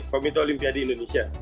komite olimpiade indonesia